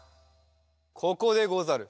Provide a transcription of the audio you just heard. ここでござる！